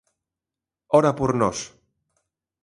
Ora por nós.